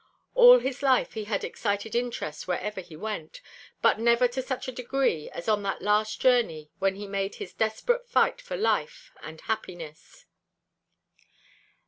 All his life he had excited interest wherever he went, but never to such a degree as on that last journey when he made his desperate fight for life and happiness.